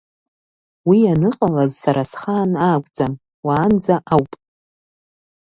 Уи аныҟалаз сара схаан акәӡам, уаанӡа ауп…